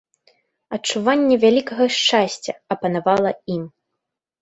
Адчуванне вялікага шчасця апанавала ім.